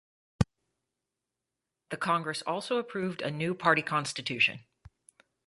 The congress also approved a new party constitution.